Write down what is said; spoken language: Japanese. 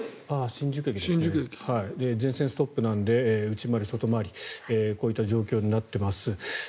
全線ストップなので内回り・外回りこういった状況になっています。